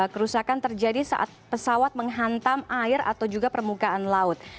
kerusakan terjadi saat pesawat menghantam air atau juga permukaan laut